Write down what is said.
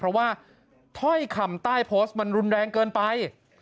เพราะว่าถ้อยคำใต้โพสต์มันรุนแรงเกินไป